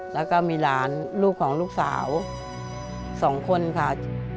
แล้วก็มีหลานลูกของลูกสาว๒คนค่ะ